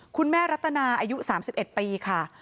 คุณแม่รัตนาอายุ๓๑ปีค่ะ